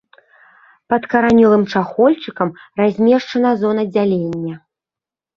Пад каранёвым чахольчыкам размешчана зона дзялення.